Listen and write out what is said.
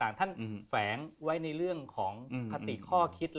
ท่านแฝงไว้ในเรื่องของคติข้อคิด